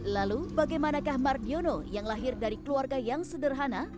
lalu bagaimanakah mardiono yang lahir dari keluarga yang sederhana